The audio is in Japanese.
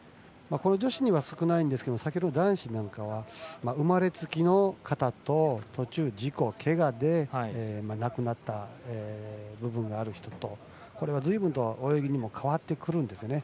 この女子には少ないんですが先ほど男子なんかは生まれつきの方と途中、事故、けがでなくなった部分がある人とこれは、ずいぶんと泳ぎにも変わってくるんですよね。